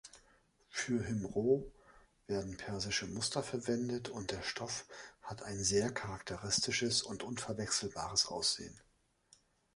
Für Himroo werden persische Muster verwendet und der Stoff hat ein sehr charakteristisches und unverwechselbares Aussehen.